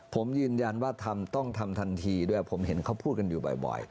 ผมยืนยันว่าทำต้องทำทันทีด้วยผมเห็นเขาพูดกันอยู่บ่อย